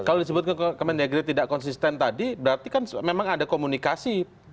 kalau disebut kemendagri tidak konsisten tadi berarti kan memang ada komunikasi